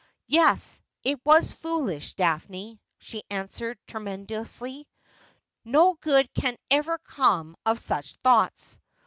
' Yes ; it was foolish. Daphne,' she answered tremulously. ' No good can ever come of such thoughts.